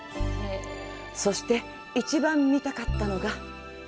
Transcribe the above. そして、一番見たかったのが。